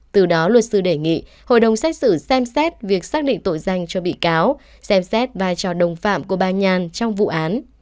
từ đó luật sư đề nghị hội đồng xét xử xem xét việc xác định tội danh cho bị cáo xem xét vai trò đồng phạm của bà nhàn trong vụ án